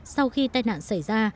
sau khi tai nạn xảy ra